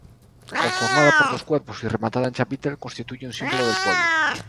Conformada por dos cuerpos y rematada en chapitel, constituye un símbolo del pueblo.